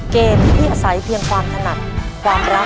เกมที่อาศัยเพียงความถนัดความรัก